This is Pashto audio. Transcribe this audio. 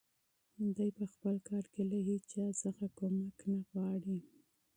دی په خپل کار کې له هیچا څخه مرسته نه غواړي.